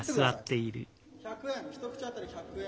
１００円一口当たり１００円